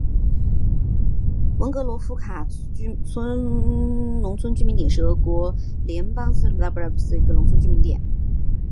文格罗夫卡农村居民点是俄罗斯联邦别尔哥罗德州拉基特诺耶区所属的一个农村居民点。